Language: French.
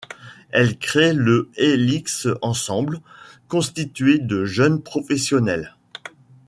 Elle crée le Helix Ensemble, constitué de jeunes professionnels.